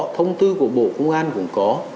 thông tư của bộ cung an cũng có